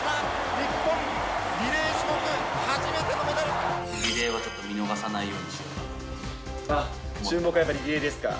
日本、リレー種目、初めてのメダリレーはちょっと見逃さない注目はやっぱりリレーですか。